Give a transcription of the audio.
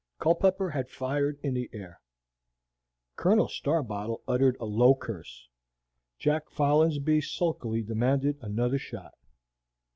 Culpepper had fired in the air. Colonel Starbottle uttered a low curse. Jack Folinsbee sulkily demanded another shot.